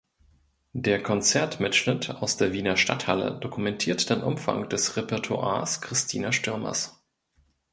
Der Konzert-Mitschnitt aus der Wiener Stadthalle dokumentiert den Umfang des Repertoires Christina Stürmers.